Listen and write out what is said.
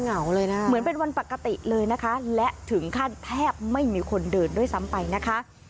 เหงาเลยนะเหมือนเป็นวันปกติเลยนะคะและถึงขั้นแทบไม่มีคนเดินด้วยซ้ำไปนะคะ